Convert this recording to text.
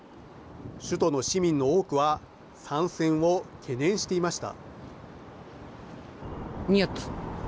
首都の市民の多くは参戦を懸念していました。